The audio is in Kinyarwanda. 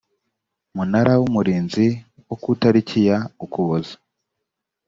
munara w umurinzi wo ku itariki ya ukuboza